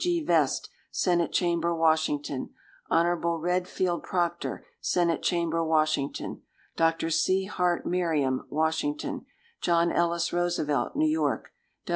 G. G. Vest, Senate Chamber, Washington. Hon. Redfield Proctor, Senate Chamber, Washington. Dr. C. Hart Merriam, Washington. John Ellis Roosevelt, New York.